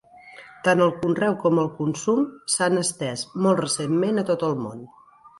Tant el conreu com el consum s'han estès molt recentment a tot el món.